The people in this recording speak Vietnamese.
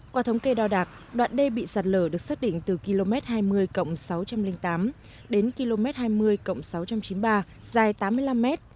qua thống kê đo đạt đoạn đê bị sạt lở được xác định từ km hai mươi cộng sáu trăm linh tám đến km hai mươi cộng sáu trăm chín mươi ba dài tám mươi năm m